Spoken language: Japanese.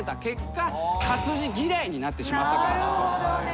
なるほどね。